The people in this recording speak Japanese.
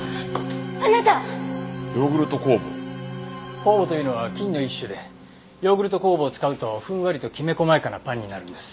酵母というのは菌の一種でヨーグルト酵母を使うとふんわりときめ細やかなパンになるんです。